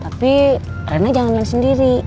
tapi rena jangan main sendiri